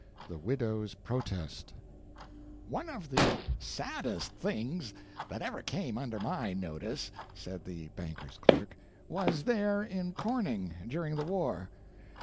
THE WIDOW'S PROTEST One of the saddest things that ever came under my notice (said the banker's clerk) was there in Corning during the war.